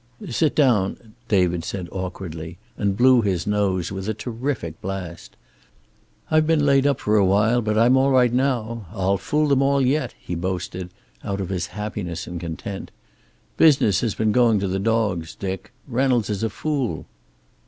"Sit down," David said awkwardly, and blew his nose with a terrific blast. "I've been laid up for a while, but I'm all right now. I'll fool them all yet," he boasted, out of his happiness and content. "Business has been going to the dogs, Dick. Reynolds is a fool."